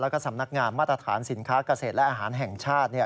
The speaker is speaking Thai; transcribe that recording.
แล้วก็สำนักงานมาตรฐานสินค้าเกษตรและอาหารแห่งชาติ